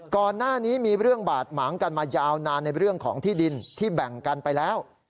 ก่อนหน้านี้มีเรื่องบาดหมางกันมายาวนานในเรื่องของที่ดินที่แบ่งกันไปแล้ว